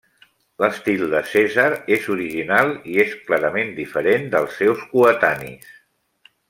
L'estil de Cèsar és original i és clarament diferent dels seus coetanis.